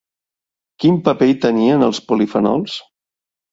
Quin paper hi tenien els polifenols?